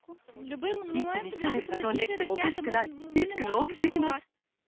いつミサイルが飛んできてもおかしくない、リスクが大きすぎます。